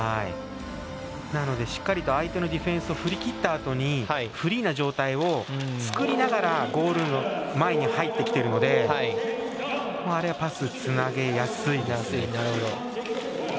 なので、しっかりと相手のディフェンスを振り切ったあとにフリーな状態を作りながらゴール前に入ってきているのでパス、つなげやすいです。